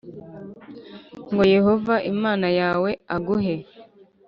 ngo Yehova Imana yawe aguhe